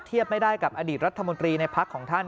ไม่ได้กับอดีตรัฐมนตรีในพักของท่าน